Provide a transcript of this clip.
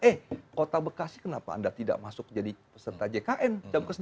eh kota bekasi kenapa anda tidak masuk jadi peserta jkn